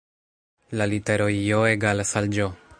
La literoj J egalas al Ĝ